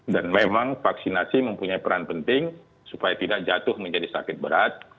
dan memang vaksinasi mempunyai peran penting supaya tidak jatuh menjadi sakit berat